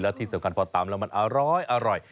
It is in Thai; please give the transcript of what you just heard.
แล้วที่สำคัญเพราะตำแล้วมันอร้อย